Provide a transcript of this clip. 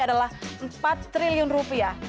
adalah empat triliun rupiah